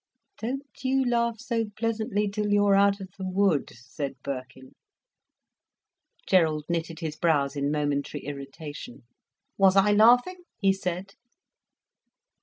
"Don't you laugh so pleasantly till you're out of the wood," said Birkin. Gerald knitted his brows in momentary irritation. "Was I laughing?" he said.